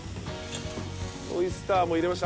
オイスターも入れました？